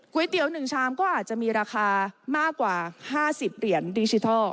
เตี๋ยว๑ชามก็อาจจะมีราคามากกว่า๕๐เหรียญดิจิทัล